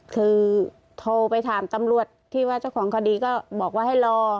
คือโทรไปถามตำรวจที่ว่าเจ้าของคดีก็บอกว่าให้รอ